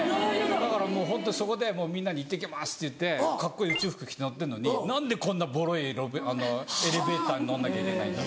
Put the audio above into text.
だからもうそこでみんなに「いってきます！」って言ってカッコいい宇宙服着て乗ってんのに何でこんなボロいエレベーターに乗んなきゃいけないんだ。